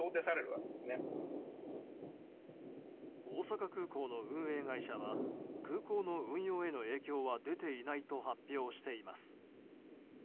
大阪空港の運営会社は空港の運用への影響は出ていないと発表しています。